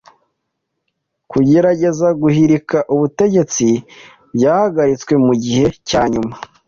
Kugerageza guhirika ubutegetsi byahagaritswe mugihe cyanyuma.